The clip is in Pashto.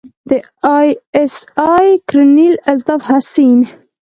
د آى اس آى کرنيل الطاف حسين.